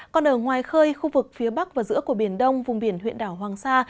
còn ở ngoài khơi khu vực phía bắc và giữa của biển đông vùng biển huyện đảo hoàng sa